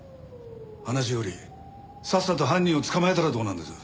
話よりさっさと犯人を捕まえたらどうなんです？